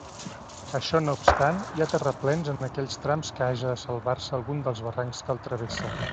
Això no obstant, hi ha terraplens en aquells trams que haja de salvar-se algun dels barrancs que el travessa.